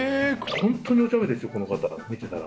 本当におちゃめですよ、この方は、見てたら。